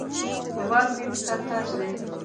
هیواد مې د سر تاج دی